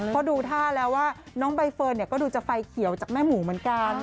เพราะดูท่าแล้วว่าน้องใบเฟิร์นก็ดูจะไฟเขียวจากแม่หมูเหมือนกัน